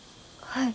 はい。